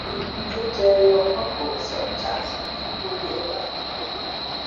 Pʉ̌nzhwē cēh yōh mά pαh sάʼ ncáʼsí pí pαhǒ liēʼ bāā.